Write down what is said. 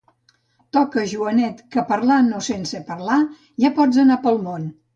Toca, Joanet, que, parlant o sense parlar, ja pots anar pel món!